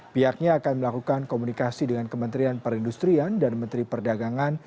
pihaknya akan melakukan komunikasi dengan kementerian perindustrian dan menteri perdagangan